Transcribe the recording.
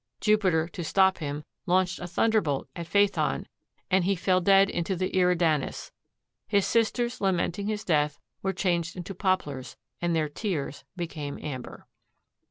Jupiter to stop him launched a thunder bolt at Phaethon and he fell dead into the Eridanus. His sisters lamenting his death were changed into poplars and their tears became amber.